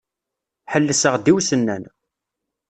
Ḥelseɣ-d i usennan.